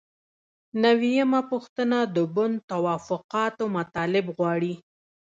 نوي یمه پوښتنه د بن توافقاتو مطالب غواړي.